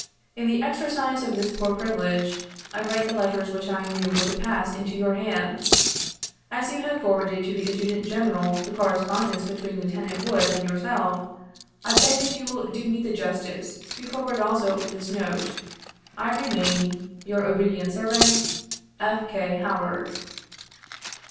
In the exercise of this poor privilege I wrote the letters which I knew were to pass into your hands. As you have forwarded to the Adjutant General the correspondence between Lieutenant Wood and yourself, I beg that you will do me the justice to forward also this note. I remain, '' Your obedient servant, "F. K. HOWARD."